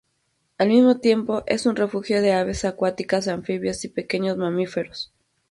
Al mismo tiempo es un refugio de aves acuáticas, anfibios y pequeños mamíferos.